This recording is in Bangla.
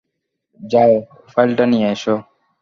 যাও ফাইলটা নিয়ে এসো।